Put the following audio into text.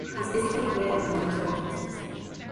It is basically where and when the story takes place.